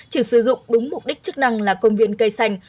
chỉ sử dụng đúng mục đích chức năng là công viên cây xanh